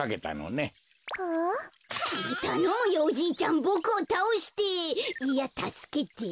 たのむよおじいちゃんボクをたおしていやたすけて。